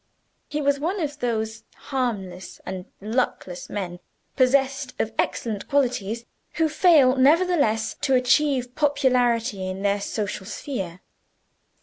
He was one of those harmless and luckless men, possessed of excellent qualities, who fail nevertheless to achieve popularity in their social sphere.